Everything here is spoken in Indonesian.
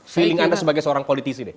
feeling anda sebagai seorang politisi deh